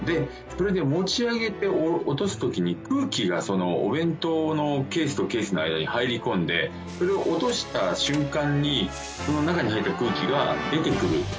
で持ち上げて落とすときに空気がお弁当のケースとケースの間に入り込んでそれを落とした瞬間に中に入った空気が出てくる。